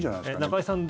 中居さん